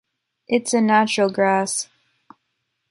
It’s a natural grass.